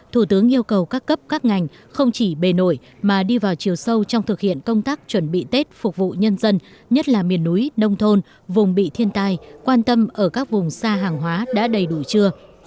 thủ tướng yêu cầu các cấp các ngành không chỉ bề nổi mà đi vào chiều sâu trong thực hiện công tác chuẩn bị tết phục vụ nhân dân nhất là miền núi nông thôn vùng bị thiên tai quan tâm ở các vùng xa hàng hóa đã đầy đủ chưa